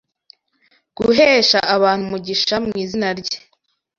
guhesha abantu umugisha mu izina rye